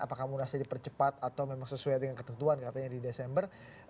apakah munasnya dipercepat atau memang sesuai dengan ketentuan katanya di desember